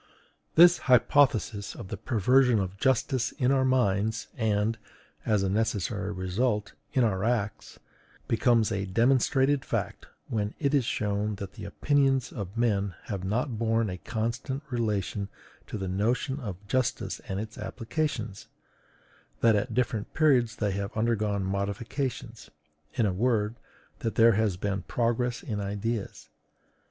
This hypothesis of the perversion of justice in our minds, and, as a necessary result, in our acts, becomes a demonstrated fact when it is shown that the opinions of men have not borne a constant relation to the notion of justice and its applications; that at different periods they have undergone modifications: in a word, that there has been progress in ideas.